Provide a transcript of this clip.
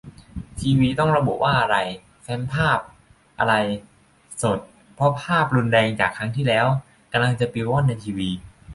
ทีวีต้องระบุว่าอะไร "แฟ้มภาพ" อะไร "สด" เพราะภาพรุนแรงจากครั้งที่แล้ว กำลังจะปลิวว่อนในทีวี